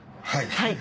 はい。